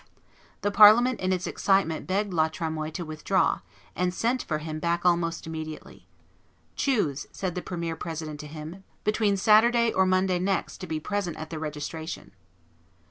The Parliament in its excitement begged La Tremoille to withdraw, and sent for him back almost immediately. "Choose," said the premier president to him, "between Saturday or Monday next to be present at the registration."